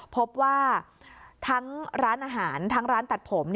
พบว่าทั้งร้านอาหารทั้งร้านตัดผม